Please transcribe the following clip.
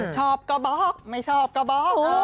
ชอบก็บอกไม่ชอบก็บอก